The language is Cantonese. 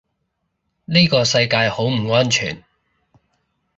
呢個世界好唔安全